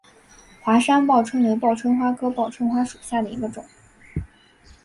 华山报春为报春花科报春花属下的一个种。